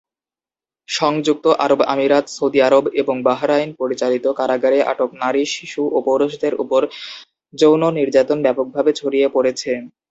সংযুক্ত আরব আমিরাত, সৌদি আরব এবং বাহরাইন পরিচালিত কারাগারে আটক নারী, শিশু ও পুরুষদের উপর যৌন নির্যাতন ব্যাপকভাবে ছড়িয়ে পড়েছে।